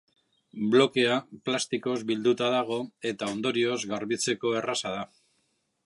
Blokea plastikoz bilduta dago eta, ondorioz, garbitzeko erraza da.